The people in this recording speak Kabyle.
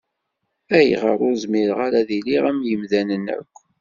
Ayɣer ur zmireɣ ara ad iliɣ am yimdanen akk?